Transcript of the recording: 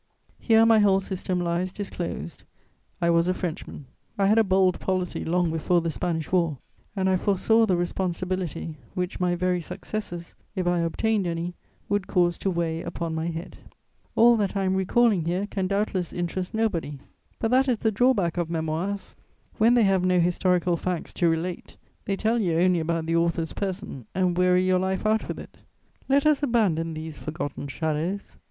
Here my whole system lies disclosed: I was a Frenchman; I had a bold policy long before the Spanish War, and I foresaw the responsibility which my very successes, if I obtained any, would cause to weigh upon my head. [Sidenote: A recollection of Mirabeau.] All that I am recalling here can doubtless interest nobody; but that is the drawback of Memoirs: when they have no historical facts to relate, they tell you only about the author's person and weary your life out with it. Let us abandon these forgotten shadows!